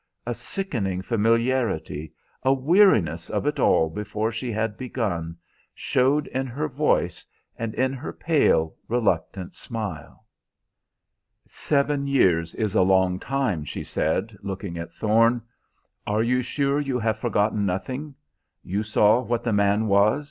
A sickening familiarity, a weariness of it all before she had begun, showed in her voice and in her pale, reluctant smile. "Seven years is a long time," she said, looking at Thorne. "Are you sure you have forgotten nothing? You saw what the man was?"